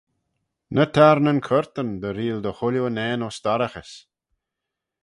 Ny tayrn yn curtan dy reayl dy chooilley unnane ayns dorraghys.